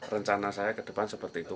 rencana saya ke depan seperti itu